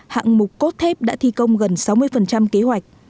hạng mục cốt thép đã thi công gần sáu mươi kế hoạch